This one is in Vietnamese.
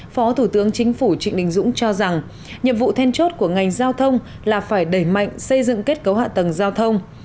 phó thủ tướng chính phủ trịnh đình dũng cho rằng nhiệm vụ then chốt của ngành giao thông là phải đẩy mạnh xây dựng kết cấu hạ tầng giao thông